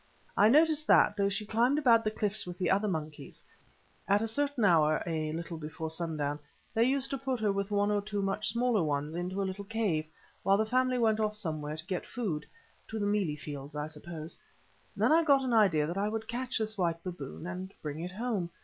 I noticed that, though she climbed about the cliffs with the other monkeys, at a certain hour a little before sundown they used to put her with one or two other much smaller ones into a little cave, while the family went off somewhere to get food, to the mealie fields, I suppose. Then I got an idea that I would catch this white baboon and bring it home.